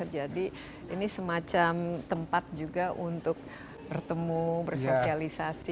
jadi ini semacam tempat juga untuk bertemu bersosialisasi